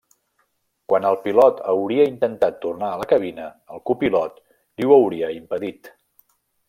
Quan el pilot hauria intentat tornar a la cabina, el copilot li ho hauria impedit.